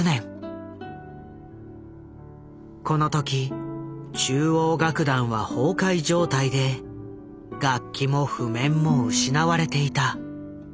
この時中央楽団は崩壊状態で楽器も譜面も失われていた。